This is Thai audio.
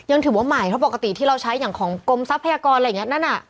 ยังถือว่าใหม่เพราะปกติที่เราใช้อย่างของกรมทรัพยากรอะไรอย่างนี้นั่นน่ะ